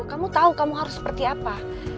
kamu tahu kamu harus seperti apa